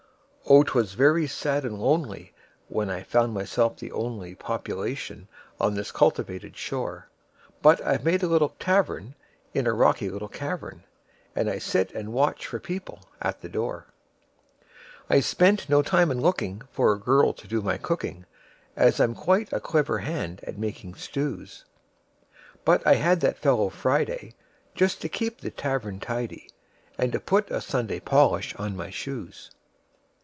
Oh! 'twas very sad and lonelyWhen I found myself the onlyPopulation on this cultivated shore; But I've made a little tavernIn a rocky little cavern, And I sit and watch for people at the door.I spent no time in lookingFor a girl to do my cooking, As I'm quite a clever hand at making stews; But I had that fellow Friday, Just to keep the tavern tidy, And to put a Sunday polish on my shoes.